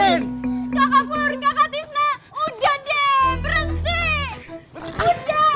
kakak pur kakak tisna udah deh berhenti